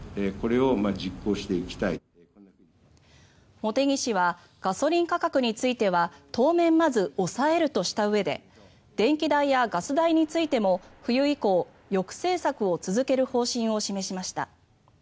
茂木氏はガソリン価格については当面、まず抑えるとしたうえで電気代やガス代についても冬以降抑制策を続ける方針を示しました。